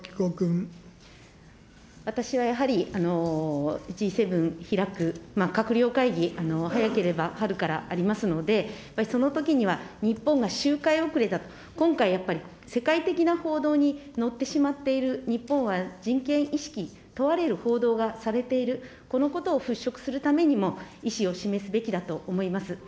私はやはり、Ｇ７開く、閣僚会議、早ければ春からありますので、やはりそのときには、日本が周回遅れだと、今回やっぱり、世論的な報道にのってしまっている日本は、人権意識問われる報道がされている、このことを払拭するためにも意思を示すべきだと思います。